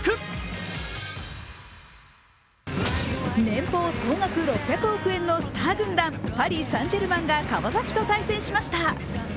年俸総額６００億円のスター軍団、パリ・サン＝ジェルマンが川崎と対戦しました。